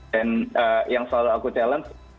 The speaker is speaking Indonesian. dan yang selalu aku challenge